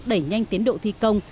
đẩy nhanh tiến độ thi công